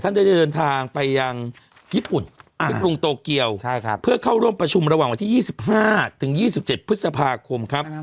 ได้เดินทางไปยังญี่ปุ่นที่กรุงโตเกียวเพื่อเข้าร่วมประชุมระหว่างวันที่๒๕ถึง๒๗พฤษภาคมครับ